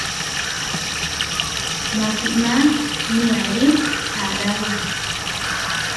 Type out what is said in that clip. Mahimá niarí aráwe.